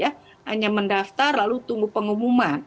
hanya mendaftar lalu tunggu pengumuman